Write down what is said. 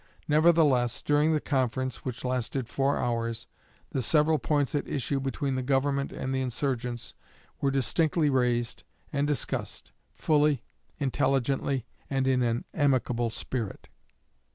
Nevertheless, during the conference, which lasted four hours, the several points at issue between the Government and the insurgents were distinctly raised and discussed, fully, intelligently, and in an amicable spirit."